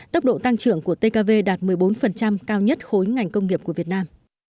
tốc độ tăng trưởng của tkv đạt một mươi bốn cao nhất khối ngành công nghiệp của việt nam